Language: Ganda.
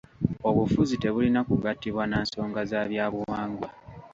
Obufuzi tebulina kugatibwa na nsonga za bya buwangwa.